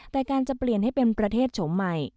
แต่การจะเปลี่ยนให้เป็นประเทศโฉมใหม่